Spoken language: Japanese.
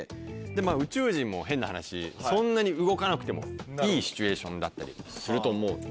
宇宙人も変な話そんなに動かなくてもいいシチュエーションだったりすると思うので。